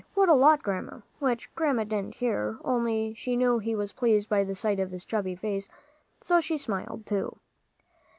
what a lot, Grandma!" which Grandma didn't hear, only she knew he was pleased by the sight of his chubby face; so she smiled, too.